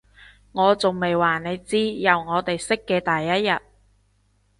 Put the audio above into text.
我仲未話你知，由我哋識嘅第一日